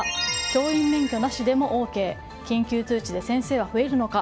教員免許なしでもＯＫ緊急通知で先生は増えるのか。